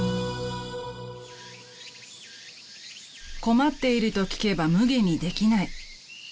［困っていると聞けばむげにできない］